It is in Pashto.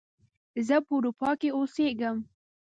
زه په اروپا کې اوسیږم